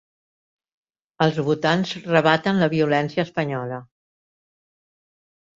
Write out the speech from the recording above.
Els votants rebaten la violència espanyola